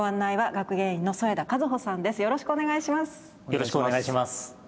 よろしくお願いします。